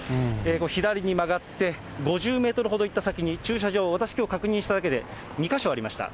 左に曲がって５０メートルほど行った先に、駐車場、私、きょう確認しただけで、２か所ありました。